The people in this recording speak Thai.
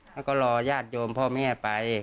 แล้วก็รอญาติโยมพ่อแม่ไป